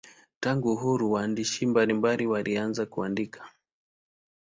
Tangu uhuru waandishi mbalimbali walianza kuandika.